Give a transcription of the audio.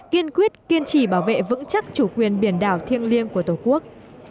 kiên quyết kiên trì bảo vệ vững chắc chủ quyền biển đảo thiêng liêng của tổ quốc